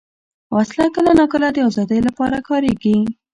وسله کله ناکله د ازادۍ لپاره کارېږي